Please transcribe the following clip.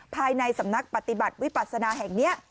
ภายในสำนักปฏิบัติวิปัสนาแห่งนี้